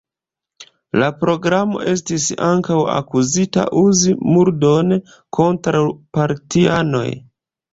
La programo estis ankaŭ akuzita uzi murdon kontraŭ partianoj.